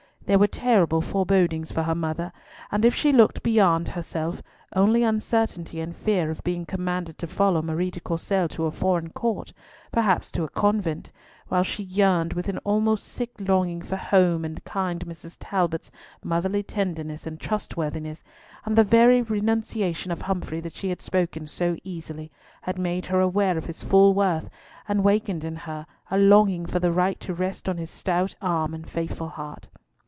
There were terrible forebodings for her mother; and if she looked beyond for herself, only uncertainty and fear of being commanded to follow Marie de Courcelles to a foreign court, perhaps to a convent; while she yearned with an almost sick longing for home and kind Mrs. Talbot's motherly tenderness and trustworthiness, and the very renunciation of Humfrey that she had spoken so easily, had made her aware of his full worth, and wakened in her a longing for the right to rest on his stout arm and faithful heart.